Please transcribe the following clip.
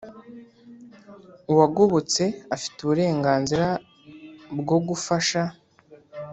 uwagobotse afite uburenganzira bwo gufasha